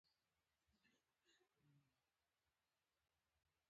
شاګرد بل کتاب لوستی.